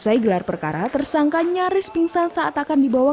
usai gelar perkara tersangka nyaris pingsan saat akan dibawa